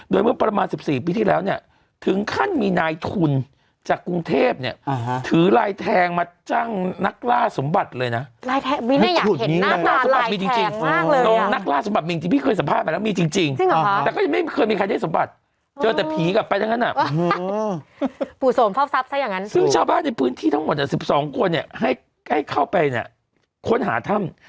โดยเมื่อประมาณสำสีปีที่แล้วเนี่ยถึงขั้นมีนายทุนจากกรุงเทพเนี่ยอ่า